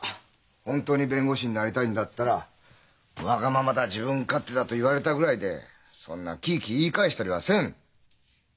本当に弁護士になりたいんだったら「わがままだ自分勝手だ」と言われたぐらいでそんなキーキー言い返したりはせん！